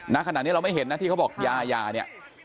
ณขณะนี้เราไม่เห็นนะที่เขาบอกยายาเนี่ย